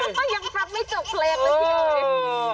ยังขำไม่จบเพลงนะพี่